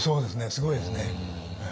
すごいですね。